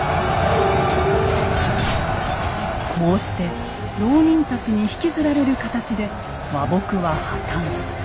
こうして牢人たちに引きずられる形で和睦は破綻。